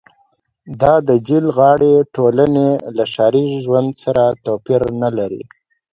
دا د جهیل غاړې ټولنې له ښاري ژوند سره توپیر نلري